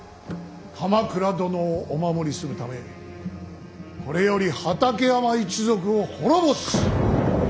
鎌倉殿をお守りするためこれより畠山一族を滅ぼす！